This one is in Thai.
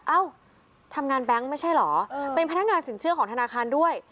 เอ้าทำงานแบงค์ไม่ใช่เหรอเป็นพนักงานสินเชื่อของธนาคารด้วย